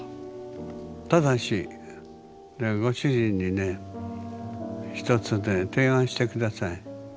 ただしご主人にね一つね提案して下さい。